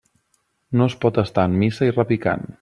No es pot estar en missa i repicant.